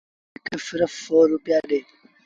موݩ کي سرڦ هڪڙو سو روپيآ ڏي